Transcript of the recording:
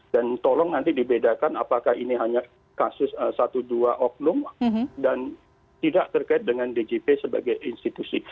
dan tolong nanti dibedakan apakah ini hanya kasus satu dua oklum dan tidak terkait dengan djp sebagai institusi